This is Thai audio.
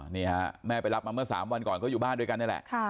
นี่ฮะแม่ไปรับมาเมื่อ๓วันก่อนก็อยู่บ้านด้วยกันนี่แหละ